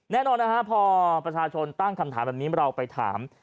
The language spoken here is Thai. แน่นอนนะฮะพอประชาชนตั้งคำถามแบบนี้เราไปถาม